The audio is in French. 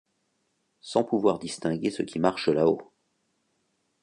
Sans pouvoir distinguer ce qui marche là-haut